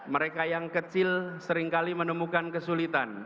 mereka yang kecil seringkali menemukan kesulitan